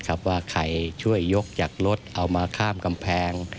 ไข่ช่วยยกจากรถเอามาข้ามกำแพง